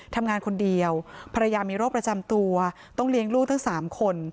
ทำงานคนเดียวภรรยามีโรคประจำตัวต้องเลี้ยงลูกทั้ง๓คน